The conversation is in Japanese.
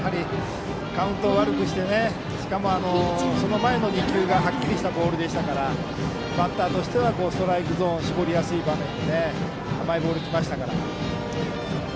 カウントを悪くしてしかもその前の２球がはっきりしたボールでしたからバッターとしてはストライクゾーンを絞りやすい場面で甘いボールが来ましたから。